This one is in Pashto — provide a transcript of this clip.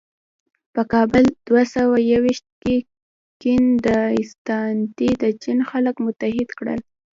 په کال دوهسوهیوویشت کې کین ډایناسټي د چین خلک متحد کړل.